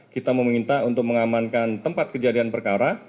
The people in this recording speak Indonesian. kita meminta untuk mengamankan tempat kejadian perkara